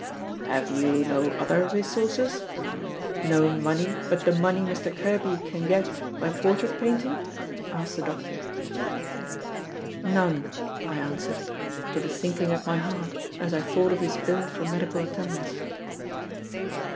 "Have you no other resources? No money but the money Mr. Kerby can get by portrait painting?" asked the doctor. "None," I answered, with a sinking at my heart as I thought of his bill for medical attendance.